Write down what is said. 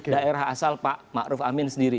daerah asal pak maruf amin sendiri